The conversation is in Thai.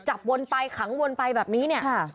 วนไปขังวนไปแบบนี้เนี่ย